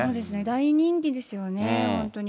大人気ですよね、本当に。